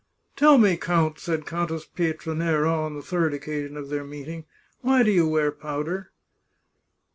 " Tell me, count," said Countess Pietranera on the third occasion of their meeting, " why you wear powder